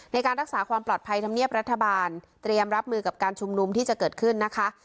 ในการรักษาความปลอดภัยธรรมเนียบรัฐบาลเตรียมรับมือกับการชุมนุมที่จะเกิดขึ้นนะคะ